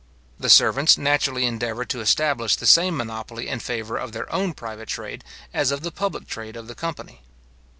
The servants naturally endeavour to establish the same monopoly in favour of their own private trade as of the public trade of the company.